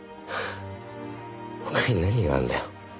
他に何があるんだよ？